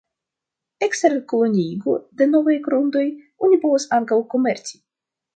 Ekster koloniigo de novaj grundoj oni povas ankaŭ komerci.